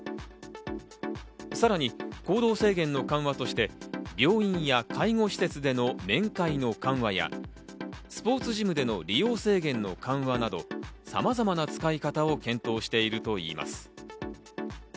さらに行動制限の緩和として病院や介護施設での面会の緩和や、スポーツジムでの利用制限の緩和など、さまざまな使い方を検討しているといいます。